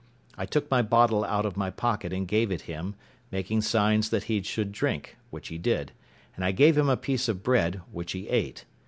I took my bottle out of my pocket and gave it him, making signs that he should drink, which he did; and I gave him a piece of bread, which he ate.